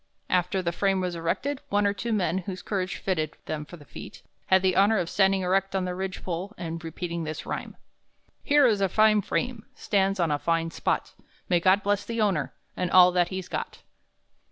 After the frame was erected, one or two men, whose courage fitted them for the feat, had the honor of standing erect on the ridge pole and repeating this rhyme: 'Here is a fine frame, Stands on a fine spot; May God bless the owner, And all that he's got.'